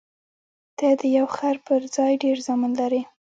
ته د یو خر پر ځای ډېر زامن لرې.